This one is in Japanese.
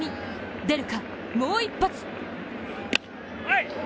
出るか、もう一発。